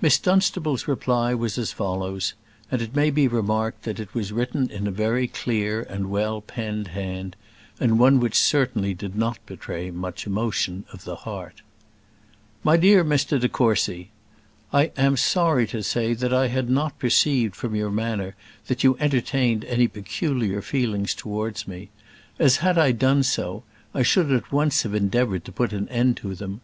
Miss Dunstable's reply was as follows; and it may be remarked that it was written in a very clear and well penned hand, and one which certainly did not betray much emotion of the heart: MY DEAR MR DE COURCY, I am sorry to say that I had not perceived from your manner that you entertained any peculiar feelings towards me; as, had I done so, I should at once have endeavoured to put an end to them.